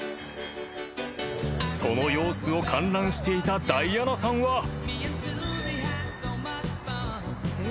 ［その様子を観覧していたダイアナさんは］